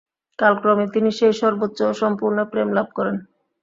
কালক্রমে তিনি সেই সর্বোচ্চ ও সম্পূর্ণ প্রেম লাভ করেন।